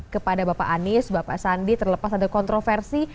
kepada bapak anies bapak sandi terlepas ada kontroversi